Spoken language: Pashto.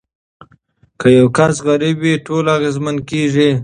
که یو کس غریب وي ټول اغیزمن کیږي.